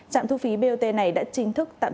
trạm thu phí bot này đã chính thức tạm